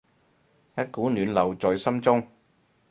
一股暖流在心中